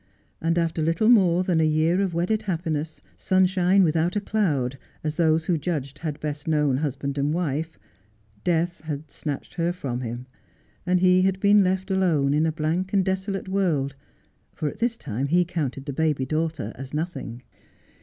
And after little more than :i year of wedded happiness, sunshine without a cloud, as those judged who had best known husband and wife, death had snatched her from him, and he had been left alone in a blank and desolate world, for at this time he counted the baby daughter a.s nothing.